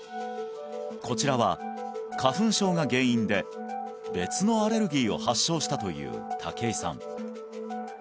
こちらは花粉症が原因で別のアレルギーを発症したという竹井さん